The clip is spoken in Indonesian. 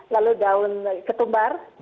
lalu daun ketumbar